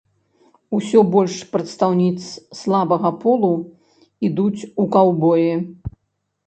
Усё больш прадстаўніц слабага полу ідуць у каўбоі.